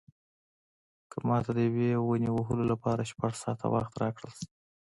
که ماته د یوې ونې وهلو لپاره شپږ ساعته وخت راکړل شي.